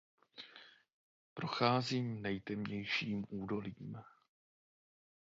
Procházím nejtemnějším údolím.